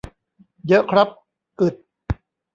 เยอะครับ อึด